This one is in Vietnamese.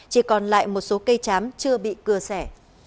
chỉ còn lại một số cây chám chưa bị cưa xẻ